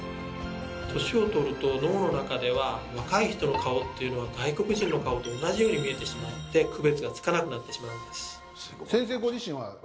年をとると脳の中では若い人の顔というのは外国人の顔と同じように見えてしまって区別がつかなくなってしまうんです。